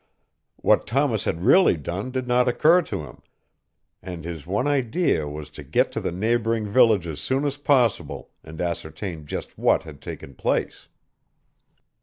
What Thomas had really done did not occur to him, and his one idea was to get to the neighboring village as soon as possible and ascertain just what had taken place.